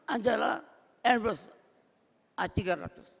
adalah airbus a tiga ratus